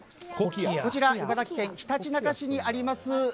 こちら茨城県ひたちなか市にあります